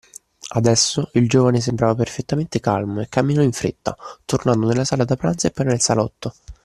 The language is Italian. Adesso, il giovane sembrava perfettamente calmo e camminò in fretta, tornando nella sala da pranzo e poi nel salotto.